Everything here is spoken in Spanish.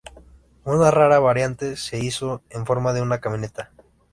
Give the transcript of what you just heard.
Una rara variante se hizo en forma de una camioneta.